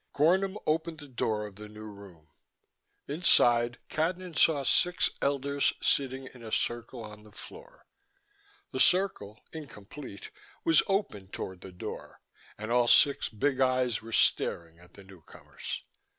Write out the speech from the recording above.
Gornom opened the door of the new room. Inside, Cadnan saw six elders, sitting in a circle on the floor. The circle, incomplete, was open toward the door, and all six big eyes were staring at the newcomers.